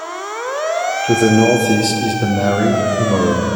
To the northeast is the Mare Humorum.